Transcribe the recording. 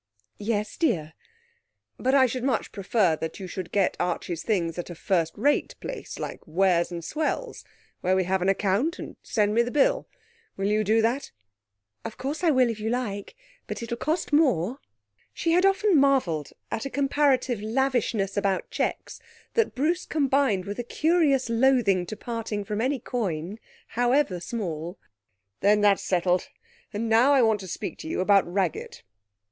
'Yes, dear.' 'But I should much prefer that you should get Archie's things at a first rate place like Wears and Swells, where we have an account, and send me the bill. Will you do that?' 'Of course I will, if you like; but it'll cost more.' She had often marvelled at a comparative lavishness about cheques that Bruce combined with a curious loathing to parting from any coin, however small. 'Then that's settled. And now I want to speak to you about Raggett.'